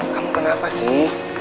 kamu kenapa sih